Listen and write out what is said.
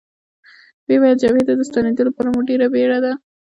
ویې ویل: جبهې ته د ستنېدو لپاره مو ډېره بېړه ده.